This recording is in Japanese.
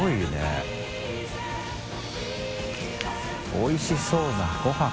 おいしそうなごはん。